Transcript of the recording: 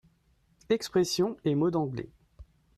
Expressions et mots d'anglais.